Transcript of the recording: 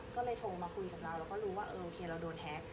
ก็เลยโทรมาคุยกับเราแล้วก็รู้ว่าเออโอเคเราโดนแท็ก